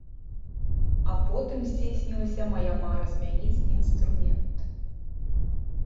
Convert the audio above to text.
А потым здзейснілася мая мара змяніць інструмент.